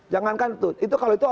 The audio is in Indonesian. jangankan itu kalau itu